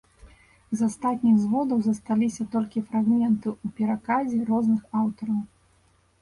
З астатніх зводаў засталіся толькі фрагменты ў пераказе розных аўтараў.